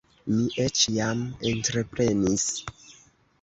Mi eĉ jam entreprenis.